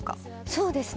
そうですね。